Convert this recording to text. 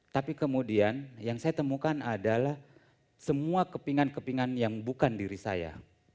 tapi kemudian yang saya temukan adalah semua kepingan kepingan yang bukan diri saya